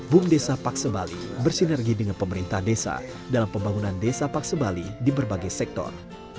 bum desa paksebali bersinergi dengan pemerintah desa dalam pembangunan desa paksebali di berbagai sektor